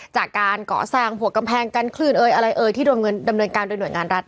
จากการก่อสร้างผัวกำแพงกันคลื่นเอ่ยอะไรเอ่ยที่โดนดำเนินการโดยหน่วยงานรัฐ